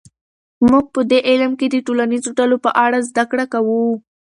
موږ په دې علم کې د ټولنیزو ډلو په اړه زده کړه کوو.